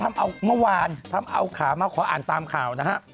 ทำเอาเมื่อวานทำเอาขามาขออ่านตามข่าวนะฮะ